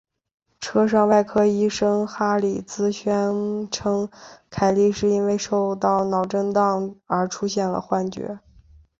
车上的外科医师哈里兹宣称凯莉是因为受到脑震荡而出现了幻觉。